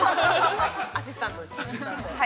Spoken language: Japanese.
◆アシスタントです。